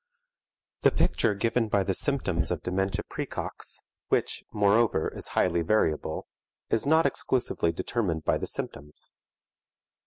The picture given by the symptoms of dementia praecox, which, moreover, is highly variable, is not exclusively determined by the symptoms.